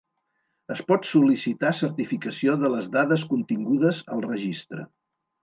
Es pot sol·licitar certificació de les dades contingudes al registre.